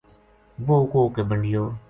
وہ کوہ کے بنڈیو